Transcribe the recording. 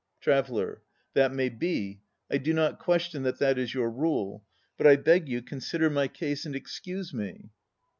TRAVELLER. That may be. I do not question that that is your rule. But I beg you, consider my case and excuse me.